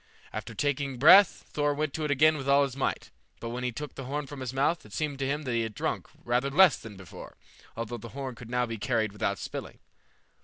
After taking breath, Thor went to it again with all his might, but when he took the horn from his mouth, it seemed to him that he had drunk rather less than before, although the horn could now be carried without spilling.